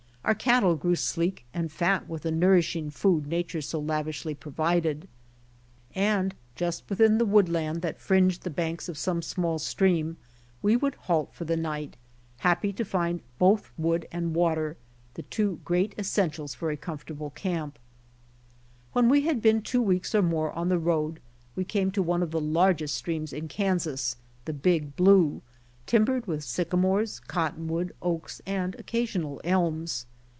Our cattle grew sleek and fat with the nourishing food nature so lavishly provided. And just within the woodland MARCHING ON FOOT 15 that fringed the banks of some small stream, we would halt for the night, happy to find both wood and waiter, the two great essentials for a comfortable camp. When we had been two weeks or more on the road we came to one of the largest streams in Kansas, the Big Blue, timbered with sycamores, cottonwood, oaks and occasional elms.